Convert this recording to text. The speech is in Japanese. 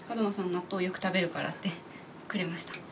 納豆よく食べるから」ってくれました。